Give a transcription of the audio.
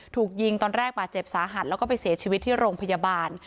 ถูกยิงตอนแรกบาดเจ็บสาหัสแล้วก็ไปเสียชีวิตที่โรงพยาบาล